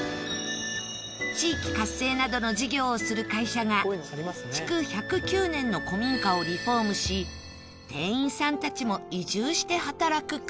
地域活性などの事業をする会社が築１０９年の古民家をリフォームし店員さんたちも移住して働くカフェに